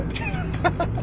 ハハハ！